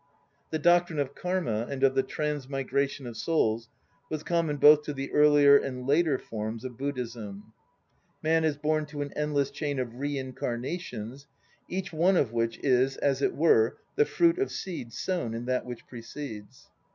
The doctrine of Karma and of the transmigration of souls was mon both to the earlier and later forms of Buddhism. Man is to an endless chain of re incarnations, each one of which is, as it were, the fruit of seed sown in that which precedes.